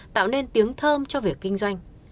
tạo nên tiếng thơm cho việc kinh doanh